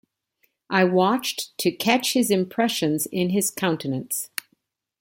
I watched to catch his impressions in his countenance.